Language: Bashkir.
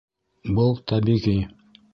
Был тәбиғи.